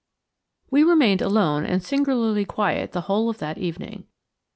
5 WE remained alone and singularly quiet the whole of that evening.